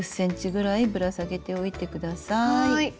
１０ｃｍぐらいぶら下げておいてください。